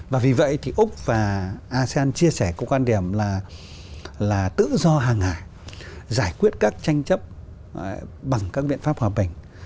và vì vậy thì úc và asean chia sẻ cũng quan điểm là tự do hàng hải giải quyết các tranh chấp bằng các biện pháp hòa bình